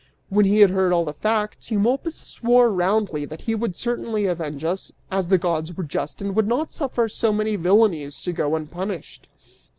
When he had heard all the facts,) Eumolpus swore roundly (that he would certainly avenge us, as the Gods were just and would not suffer so many villainies to go unpunished.)